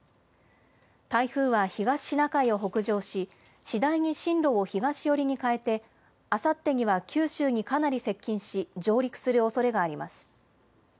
台風は東シナ海を北上し、次第に進路を東寄りに変えて、あさってには九州にかなり接近し、上陸するおそれがあります。